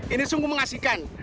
ini sungguh menarik